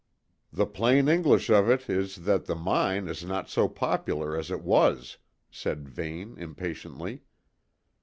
"The plain English of it is that the mine is not so popular as it was," said Vane impatiently.